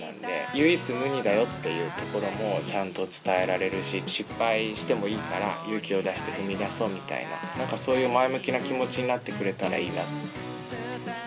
唯一無二だよっていうところもちゃんと伝えられるし、失敗してもいいから、勇気を出して踏み出そうみたいな、なんかそういう前向きな気持ちになってくれたらいいな。